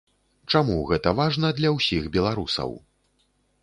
Чаму гэта важна для ўсіх беларусаў?